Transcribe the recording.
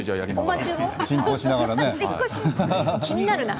進行しながらね。